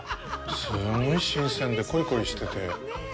すんごい新鮮で、コリコリしてて。